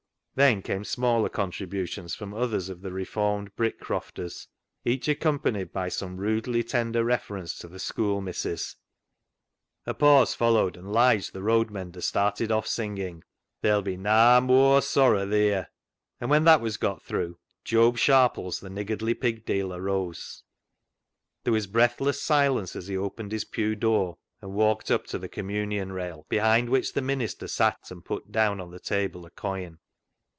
Then came smaller contributions from others of the reformed Brick crofters, each accompanied by some rudely tender reference to " th' schoo' missis." A pause followed, and Lige, the road mender, started off singing, " Ther'll be na mooar sorra theer." And when that was got through, Job Sharpies, the niggardly pig dealer, rose. There was breathless silence as he opened his pew door and walked up to the communion rail, behind which the minister sat, and put down on the table a coin.